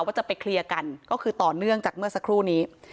ว่าจะไปเคลียร์กันก็คือต่อเนื่องจากเมื่อสักครู่นี้